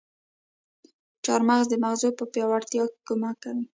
چارمغز د مغزو په پياوړتيا کې کمک کوي.